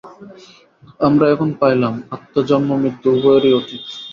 আমরা এখন পাইলাম, আত্মা জন্মমৃত্যু উভয়েরই অতীত।